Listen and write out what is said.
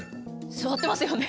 座ってますよね。